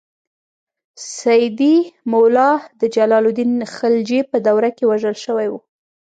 سیدي مولا د جلال الدین خلجي په دور کې وژل شوی و.